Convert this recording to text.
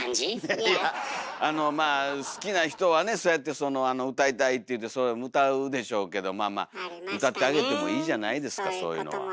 いやあのまあ好きな人はねそうやって歌いたいって言うて歌うでしょうけどまあまあ歌ってあげてもいいじゃないですかそういうのは。